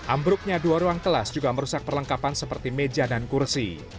ambruknya dua ruang kelas juga merusak perlengkapan seperti meja dan kursi